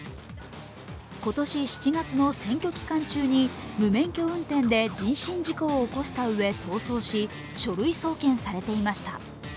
今年７月の選挙期間中に無免許運転で人身事故を起こしたうえ逃走し書類送検されていました。